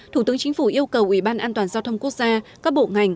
thủ tướng chính phủ yêu cầu ủy ban an toàn giao thông quốc gia các bộ ngành